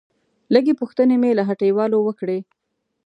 لږې پوښتنې مې له هټيوالو وکړې.